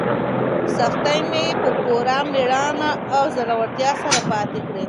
سختۍ مې په پوره مېړانه او زړورتیا سره ماتې کړې.